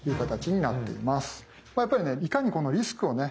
やっぱりねいかにこのリスクをね